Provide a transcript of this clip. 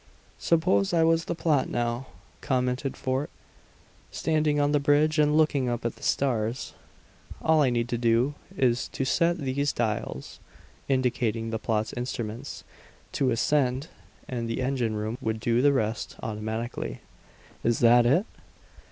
"Suppose I was the pilot now," commented Fort, standing on the bridge and looking up at the stars. "All I need to do is to set these dials" indicating the pilot's instruments "to 'ascend,' and the engine room would do the rest automatically. Is that it?"